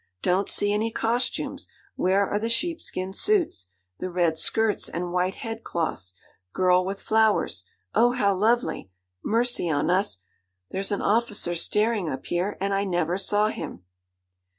Don't see any costumes. Where are the sheepskin suits? the red skirts and white head cloths? Girl with flowers. Oh, how lovely! Mercy on us, there's an officer staring up here, and I never saw him!'